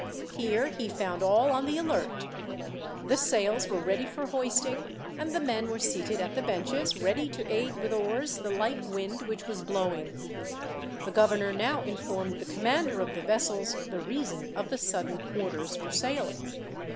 Here he found all on the alert. The sails were ready for hoisting, and the men were seated at the benches, ready to aid with oars the light wind which was blowing. The governor now informed the commander of the vessels the reason of the sudden orders for sailing.